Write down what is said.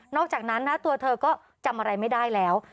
อกจากนั้นนะตัวเธอก็จำอะไรไม่ได้แล้ว